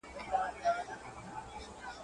ما مي د مُغان د پیر وصیت پر زړه لیکلی دی.